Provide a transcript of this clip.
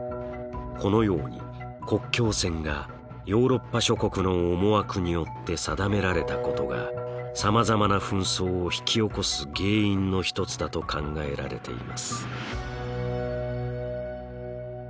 このように国境線がヨーロッパ諸国の思惑によって定められたことがさまざまな紛争を引き起こす原因の一つだと考えられています。